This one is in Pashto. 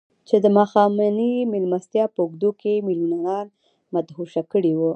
چې د ماښامنۍ مېلمستیا په اوږدو کې يې ميليونران مدهوشه کړي وو.